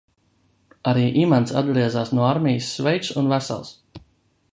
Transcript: Arī Imants atgriezās no armijas sveiks un vesels.